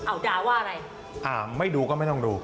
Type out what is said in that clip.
เอาด่าว่าอะไรอ่าไม่ดูก็ไม่ต้องดู